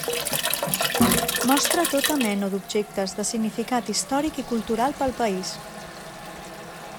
Mostra tota mena d'objectes de significat històric i cultural pel país.